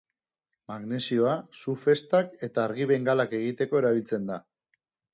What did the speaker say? Magnesioa su-festak eta argi-bengalak egiteko erabiltzen da.